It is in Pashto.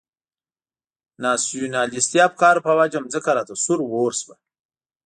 ناسیونالیستي افکارو په وجه مځکه راته سور اور شوه.